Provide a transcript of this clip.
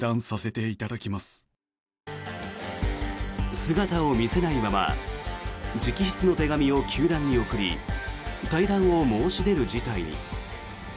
姿を見せないまま直筆の手紙を球団に送り退団を申し出る事態に。